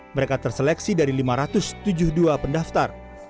mereka terseleksi dari lima ratus tujuh puluh dua pendaftar